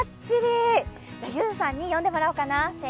ゆうさんに読んでもらおうかな。